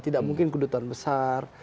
tidak mungkin kedutaan besar